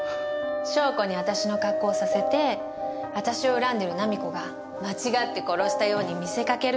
翔子に私の格好をさせて私を恨んでる菜実子が間違って殺したように見せかけるの。